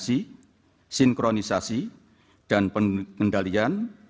sinkronisasi dan pengendalian